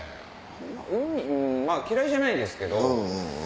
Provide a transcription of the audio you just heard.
海うん嫌いじゃないですけど。